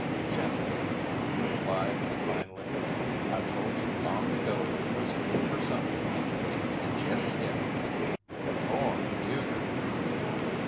"Gentle Annie," he replied, finally, "I told you long ago you was good fer somethin' if we could jest hit on it. You're a born duder!"